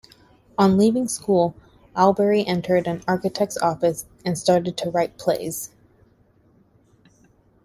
On leaving school Albery entered an architect's office, and started to write plays.